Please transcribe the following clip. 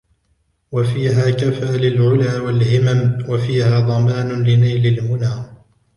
وَفِيهَا كَفَا لِلْعُلَا وَالْهِمَمْ وَفِيهَا ضَمَانٌ لِنَيْلِ الْمُنَى